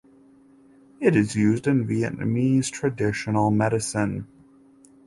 It is used in Vietnamese traditional medicine.